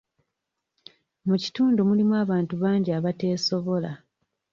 Mu kitundu mulimu abantu bangi abateesobola.